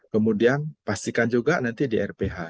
kemudian pastikan juga nanti di rph